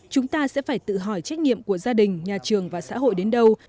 chúng ta sẽ phải tự hỏi trách nhiệm của gia đình nhà trường và xã hội đến đâu